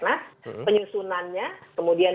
nas penyusunannya kemudian